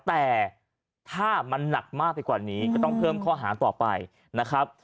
แต่ถ้ามันหนักมากไปกว่านี้ก็ต้องเพิ่มข้อหาต่อไปนะครับ